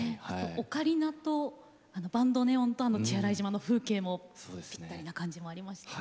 オカリナとバンドネオンとあの血洗島の風景もぴったりな感じもありましたね。